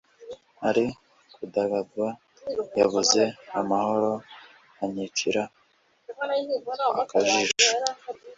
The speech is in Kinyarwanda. ari kudagadwa yabuze amahoro anyicira akajisho